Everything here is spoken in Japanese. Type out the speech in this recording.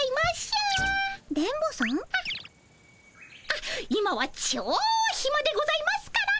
あっ今はちょヒマでございますから。